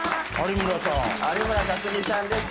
有村架純さんです。